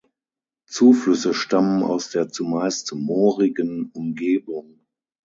Zuflüsse stammen aus der zumeist moorigen Umgebung.